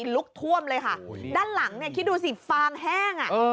ลุกท่วมเลยค่ะด้านหลังเนี่ยคิดดูสิฟางแห้งอ่ะ